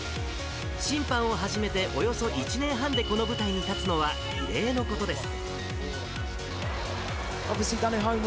審判を始めておよそ１年半でこの舞台に立つのは異例のことです。